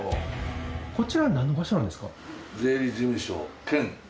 こちらはなんの場所なんですか？